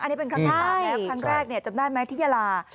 อันนี้เป็นครั้งที่๓แล้วครั้งแรกจำได้ไหมที่ยาลา